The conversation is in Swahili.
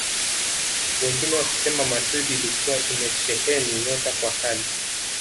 Wengine wakisema Madrid ilikuwa imesheheni nyota wa kali